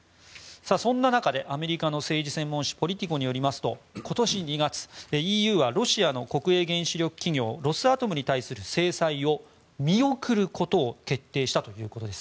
そんな中でアメリカの政治専門誌ポリティコによりますと今年２月、ＥＵはロシアの国営原子力企業ロスアトムに対する制裁を見送ることを決定したということです。